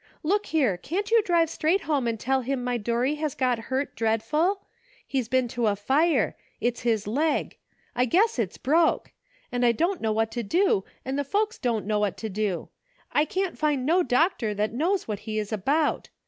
Look here, can't you drive right straight home and tell him my Dorry has got hurt dreadful? He's been to a ENTERTAINING COMPANY. 2S5 fire ; it's his leg ; I guess it's broke ; and I don't know what to do, and the folks don't know what to do. I can't find no doctor that knows what he is about.